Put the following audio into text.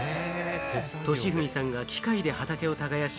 俊文さんが機械で畑を耕し、